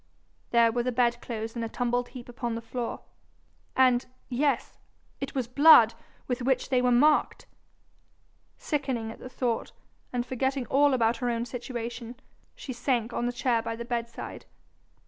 There were the bedclothes in a tumbled heap upon the floor! And yes it was blood with which they were marked! Sickening at the thought, and forgetting all about her own situation, she sank on the chair by the bedside.